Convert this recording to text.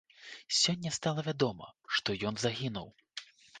Сёння стала вядома, што ён загінуў.